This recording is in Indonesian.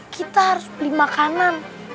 kita harus beli makanan